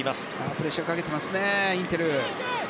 プレッシャーかけますねインテル。